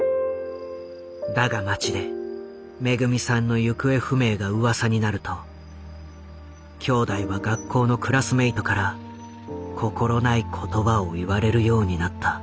だが街でめぐみさんの行方不明がうわさになると兄弟は学校のクラスメートから心ない言葉を言われるようになった。